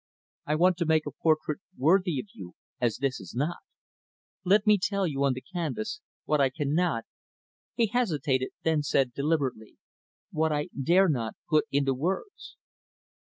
I want to make a portrait worthy of you, as this is not. Let me tell you, on the canvas, what I cannot " he hesitated then said deliberately "what I dare not put into words."